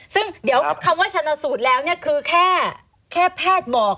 ซึ่งเดี๋ยวคำว่าชนะสูตรแล้วคือแค่แพทย์บอก